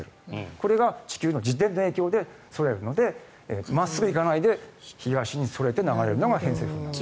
これは地球の自転の影響でそれるので真っすぐ行かないで東にそれて流れるのが偏西風なんです。